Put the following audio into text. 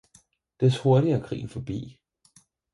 Des hurtigere er krigen forbi!